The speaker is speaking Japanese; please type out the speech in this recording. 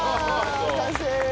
完成！